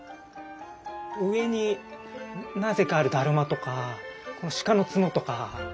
上になぜかあるだるまとかこの鹿の角とか。